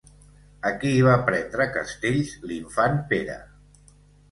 A qui va prendre castells l'infant Pere?